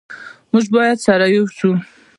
موږ باید سره ېو شو